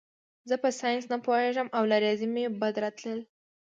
زه په ساینس نه پوهېږم او له ریاضي مې بد راتلل